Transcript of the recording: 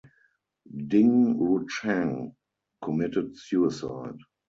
Ding Ruchang committed suicide.